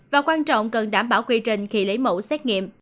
và quan trọng cần đảm bảo quy trình khi lấy mẫu xét nghiệm